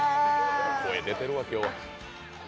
声出てるわ、今日は。